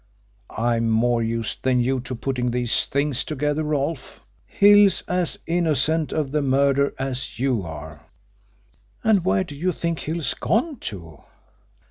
I'm more used than you to putting these things together, Rolfe. Hill's as innocent of the murder as you are." "And where do you think Hill's gone to?"